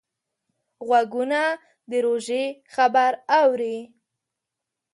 غوږونه د روژې خبر اوري